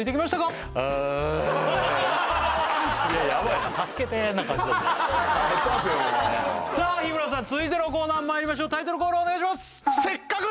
もうさあ日村さん続いてのコーナーまいりましょうタイトルコールお願いします